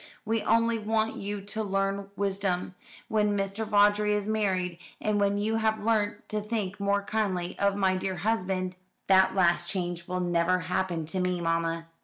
We only want you to learn wisdom. When Mr. Vawdrey is married, and when you have learnt to think more kindly of my dear husband " "That last change will never happen to me, mamma.